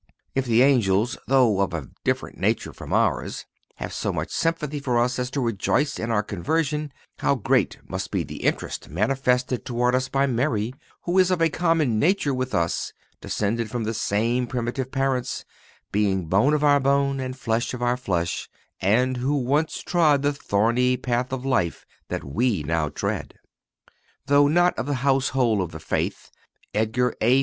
If the angels, though of a different nature from ours, have so much sympathy for us as to rejoice in our conversion,(267) how great must be the interest manifested toward us by Mary, who is of a common nature with us, descended from the same primitive parents, being bone of our bone, and flesh of our flesh, and who once trod the thorny path of life that we now tread! Though not of the household of the faith, Edgar A.